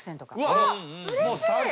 うれしい！